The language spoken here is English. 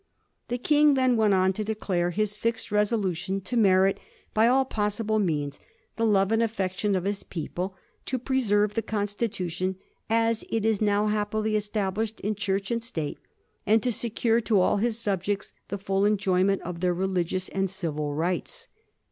The King then went on to declare his fixed resolution to merit by all possible means the love and affection of his people ; to preserve the Constitution ' as it is now happily established in Church and State '; and to secure to all his subjects the full enjoyment of their religious and civil rights.